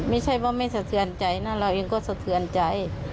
ไม่ใช่ว่าไม่สะเทือนใจนะเราเองก็สะเทือนใจ